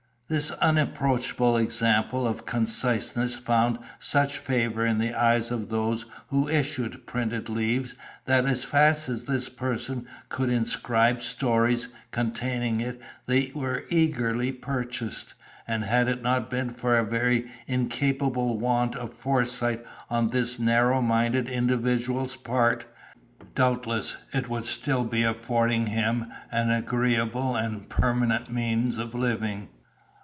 This unapproachable example of conciseness found such favour in the eyes of those who issue printed leaves that as fast as this person could inscribe stories containing it they were eagerly purchased; and had it not been for a very incapable want of foresight on this narrow minded individual's part, doubtless it would still be affording him an agreeable and permanent means of living.